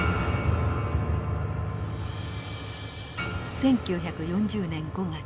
１９４０年５月。